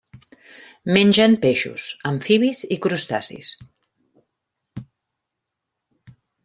Mengen peixos, amfibis i crustacis.